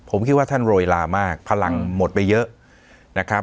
ผมคิดว่าท่านโรยลามากพลังหมดไปเยอะนะครับ